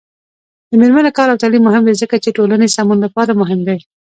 د میرمنو کار او تعلیم مهم دی ځکه چې ټولنې سمون لپاره مهم دی.